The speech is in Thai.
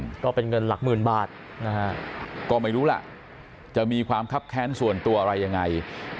ก็เป็นเงินหลักหมื่นบาทนะฮะก็ไม่รู้ล่ะจะมีความคับแค้นส่วนตัวอะไรยังไง